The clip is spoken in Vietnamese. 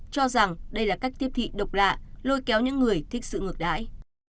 cho rằng đây là cách tiếp thị độc lạ lôi kéo những người thích sự ngược đãi